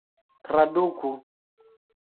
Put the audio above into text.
traduku